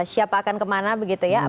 siapa akan kemana begitu ya